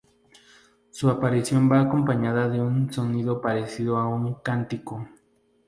Su aparición va acompañada de un sonido parecido a un cántico.